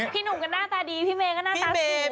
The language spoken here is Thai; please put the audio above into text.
พี่หนุ่มก็หน้าตาดีพี่เมย์ก็หน้าตาสูง